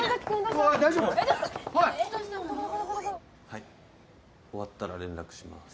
はい終わったら連絡します。